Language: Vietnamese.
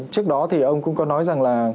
trước đó thì ông cũng có nói rằng là